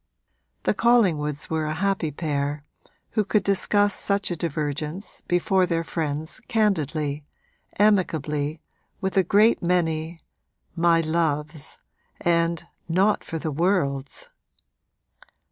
The Collingwoods were a happy pair who could discuss such a divergence before their friends candidly, amicably, with a great many 'My loves' and 'Not for the worlds.'